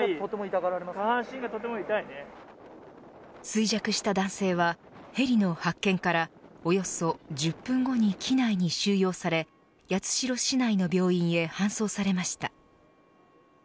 衰弱した男性はヘリの発見からおよそ１０分後に機内に収容され八代市内の病院に搬送されました。